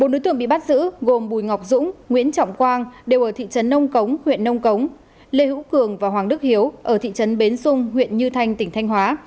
bốn đối tượng bị bắt giữ gồm bùi ngọc dũng nguyễn trọng quang đều ở thị trấn nông cống huyện nông cống lê hữu cường và hoàng đức hiếu ở thị trấn bến xung huyện như thanh tỉnh thanh hóa